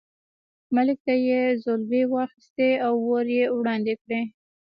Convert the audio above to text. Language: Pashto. ملک ته یې ځلوبۍ واخیستې او ور یې وړاندې کړې.